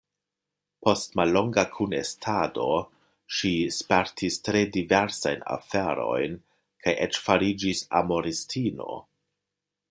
Post mallonga kunestado ŝi spertis tre diversajn aferojn kaj eĉ fariĝis amoristino.